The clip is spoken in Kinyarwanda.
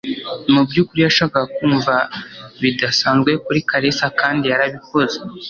Mubyukuri yashakaga kumva bidasanzwe kuri Kalisa - kandi yarabikoze.